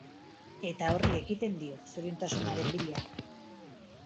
Eta horri ekiten dio, zoriontasunaren bila.